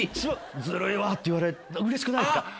「ズルいわ」って言われるとうれしくないですか？